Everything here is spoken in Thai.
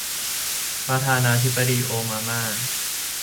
ประธานาธิปดีโอบาม่า